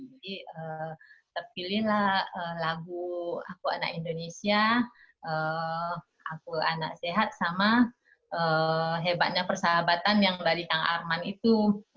jadi terpilihlah lagu aku anak indonesia aku anak sehat sama hebatnya persahabatan yang dari kang arman itu